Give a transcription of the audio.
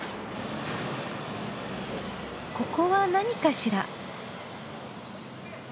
ここは何かしら？